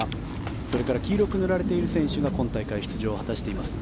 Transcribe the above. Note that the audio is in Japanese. それから黄色く塗られている選手が今大会、出場を果たしています。